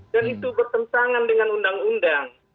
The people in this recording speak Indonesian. dan itu bertentangan dengan undang undang